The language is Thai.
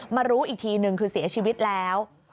มารู้อีกทีนึงคือเสียชีวิตแล้ว